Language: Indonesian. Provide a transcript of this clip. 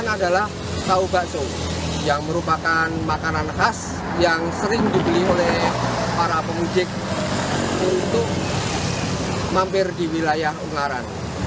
ini adalah bau bakso yang merupakan makanan khas yang sering dibeli oleh para pemudik untuk mampir di wilayah ungaran